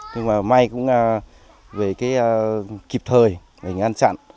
nhưng mà may cũng về cái kịp thời về ngăn chặn